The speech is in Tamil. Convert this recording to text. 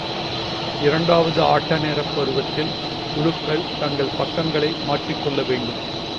இரண்டாவது ஆட்ட நேரப் பருவத்தில், குழுக்கள் தங்கள் பக்கங்களை மாற்றிக்கொள்ள வேண்டும்.